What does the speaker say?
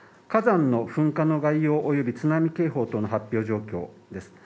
火山の噴火の概要および津波警報等の発表状況です。